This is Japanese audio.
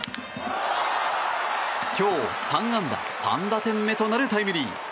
今日３安打３打点目となるタイムリー！